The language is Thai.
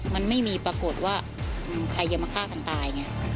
มันไม่มีปรากฏว่าใครจะมาฆ่ากันตายไง